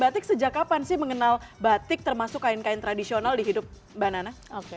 batik sejak kapan sih mengenal batik termasuk kain kain tradisional di hidup mbak nana